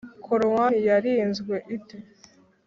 korowani yarinzwe ite?